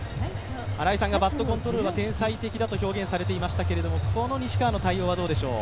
新井さんがバットコントロールは天才的だと表現されていましたけど、この西川の対応はどうでしょう？